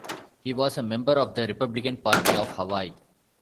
He was a member of the Republican Party of Hawaii.